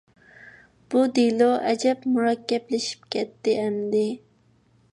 بۇ دېلو ئەجەب مۇرەككەپلىشىپ كەتتى ئەمدى.